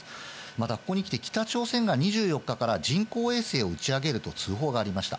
またここにきて、北朝鮮が２４日から人工衛星を打ち上げると通報がありました。